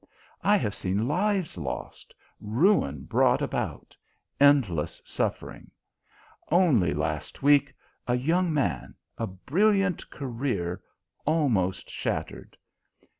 I have seen lives lost, ruin brought about, endless suffering. Only last week, a young man a brilliant career almost shattered.